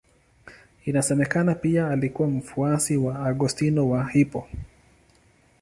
Inasemekana pia alikuwa mfuasi wa Augustino wa Hippo.